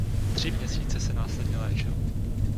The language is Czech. Tři měsíce se následně léčil.